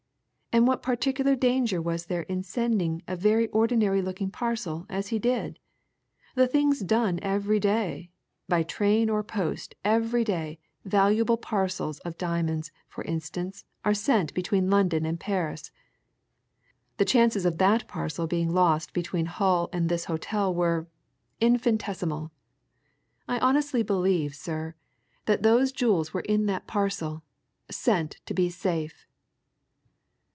And what particular danger was there in sending a very ordinary looking parcel as he did? The thing's done every day by train or post every day valuable parcels of diamonds, for instance, are sent between London and Paris. The chances of that parcel being lost between Hull and this hotel were infinitesimal! I honestly believe, sir, that those jewels were in that parcel sent to be safe."